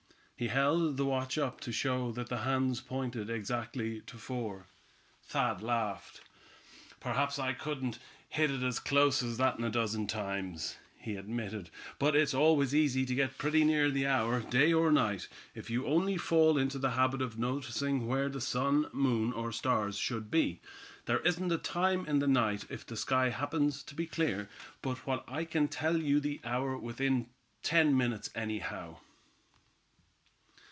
He held the watch up to show that the hands pointed exactly to four. Thad laughed. "Perhaps I couldn't hit it as close as that in a dozen times," he admitted. "But it's always easy to get pretty near the hour, day or night, if you only fall into the habit of noticing where the sun, moon or stars should be. There isn't a time in the night, if the sky happens to be clear, but what I can tell you the hour within ten minutes anyhow."